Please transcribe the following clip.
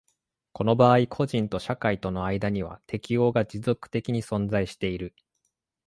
この場合個人と社会との間には適応が持続的に存在している。